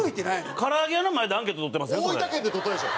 から揚げ屋の前でアンケート取ってません？